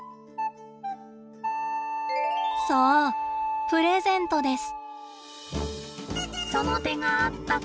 そうプレゼントです。